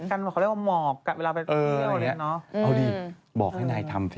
กันเขาเรียกว่าหมอกอะเวลาเป็นเพื่อนเนี่ยเอาดีบอกให้นายทำสิ